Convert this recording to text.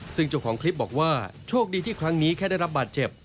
ซึ่งเจ้าของคลิปบอกว่าโชคดีที่ครั้งนี้แค่ได้รับบาดเจ็บ